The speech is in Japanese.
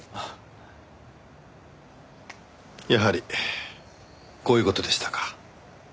やはりこういう事でしたか。